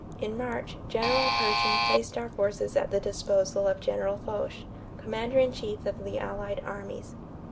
In March, General Pershing placed our forces at the disposal of General Foch, commander in chief of the Allied armies.